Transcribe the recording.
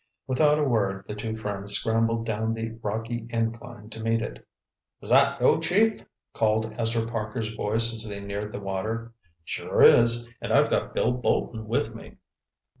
Without a word the two friends scrambled down the rocky incline to meet it. "Is that you, chief?" called Ezra Parker's voice as they neared the water. "Sure is. And I've got Bill Bolton with me."